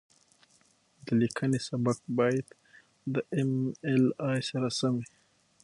د لیکنې سبک باید د ایم ایل اې سره سم وي.